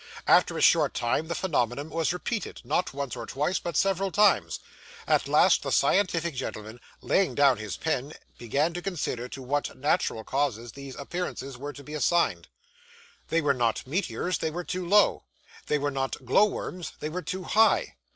After a short time the phenomenon was repeated, not once or twice, but several times; at last the scientific gentleman, laying down his pen, began to consider to what natural causes these appearances were to be assigned. They were not meteors; they were too low. They were not glow worms; they were too high.